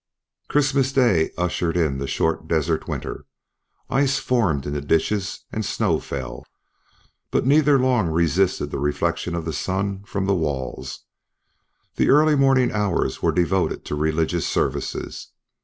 Christmas Day ushered in the short desert winter; ice formed in the ditches and snow fell, but neither long resisted the reflection of the sun from the walls. The early morning hours were devoted to religious services.